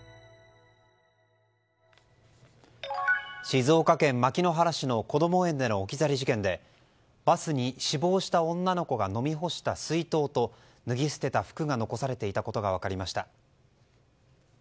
静岡県牧之原市のこども園での置き去り事件でバスに、死亡した女の子が飲み干した水筒と脱ぎ捨てた服が残されていたことが分かりました。